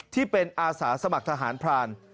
ที่เป็นอาสาสมัครทหารพราน